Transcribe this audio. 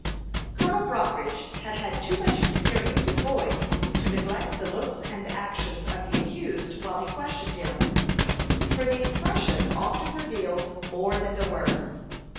Colonel Brockridge had had too much experience with boys to neglect the looks and actions of the accused while he questioned him, for the expression often reveals more than the words.